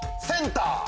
センター！